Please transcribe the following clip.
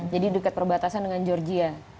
jadi dekat perbatasan dengan georgia